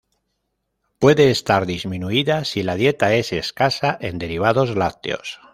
Puede estar disminuida si la dieta es escasa en derivados lácteos.